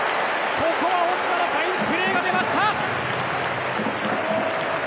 ここはオスナのファインプレーが出ました！